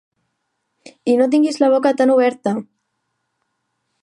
I no tinguis la boca tan oberta!